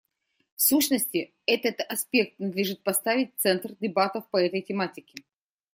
В сущности, этот аспект надлежит поставить в центр дебатов по этой тематике.